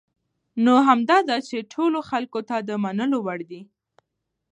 نو همدا ده چې ټولو خلکو ته د منلو وړ دي .